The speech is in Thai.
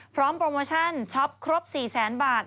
พร้อมโปรโมชั่นช็อปครบ๔แสนบาท